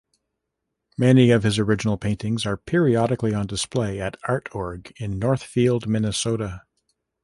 Many of his original paintings are periodically on display at ArtOrg in Northfield, Minnesota.